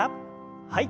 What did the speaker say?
はい。